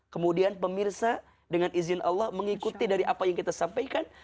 kemudian pemirsa dengan izin allah mengikuti dari apa yang kita sampaikan